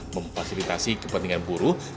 memfasilitasi pergerakan serikat buruh di indonesia